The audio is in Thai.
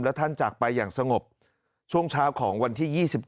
และท่านจากไปอย่างสงบช่วงเช้าของวันที่๒๗